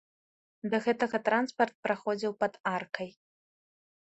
Да гэтага транспарт праходзіў пад аркай.